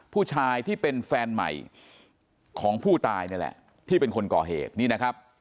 ผู้ชายที่เป็นแฟนใหม่ของผู้ตายนี่แหละที่เป็นคนก่อเหตุนี่นะครับ